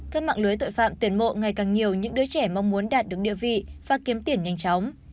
các mạng lưới tội phạm tuyển mộ ngày càng nhiều những đứa trẻ mong muốn đạt được địa vị và kiếm tiền nhanh chóng